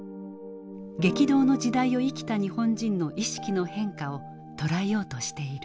激動の時代を生きた日本人の意識の変化を捉えようとしている。